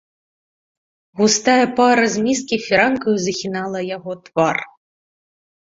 Густая пара з міскі фіранкаю захінала яго твар.